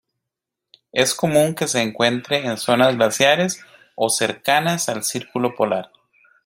Es común que se encuentre en zonas glaciares o cercanas al círculo polar.